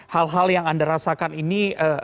hal hal yang anda rasakan ini